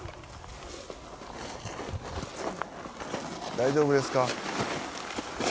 大丈夫ですか？